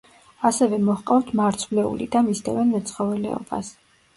ასევე მოჰყავთ მარცვლეული და მისდევენ მეცხოველეობას.